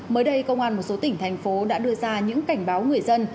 mới đây công an một số tỉnh thành phố đã đưa ra những cảnh báo người dân